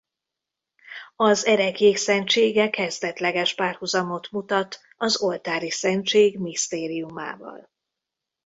Az ereklyék szentsége kezdetleges párhuzamot mutat az oltáriszentség misztériumával.